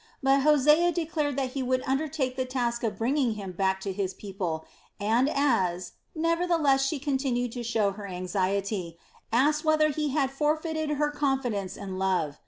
But Hosea declared that he would undertake the task of bringing him back to his people and as, nevertheless she continued to show her anxiety, asked whether he had forfeited her confidence and love.